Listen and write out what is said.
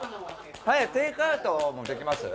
早くテークアウトもできます？